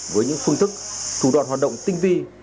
với những phương thức thủ đoạn hoạt động tinh vi